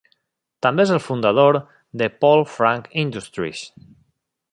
També és el fundador de Paul Frank Industries.